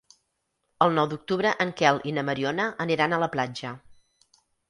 El nou d'octubre en Quel i na Mariona aniran a la platja.